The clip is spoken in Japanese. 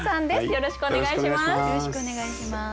よろしくお願いします。